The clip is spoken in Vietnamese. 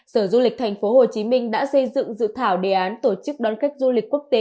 sở du lịch thành phố hồ chí minh đã xây dựng dự thảo đề án tổ chức đón khách du lịch quốc tế